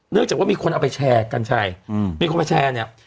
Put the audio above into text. เนื่องจากว่ามีคนเอาไปแชร์กันใช่อืมมีคนมาแชร์เนี้ย